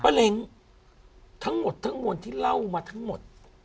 เล้งทั้งหมดทั้งมวลที่เล่ามาทั้งหมด